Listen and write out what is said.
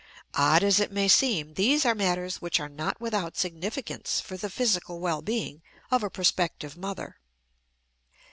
Odd as it may seem, these are matters which are not without significance for the physical well being of a prospective mother.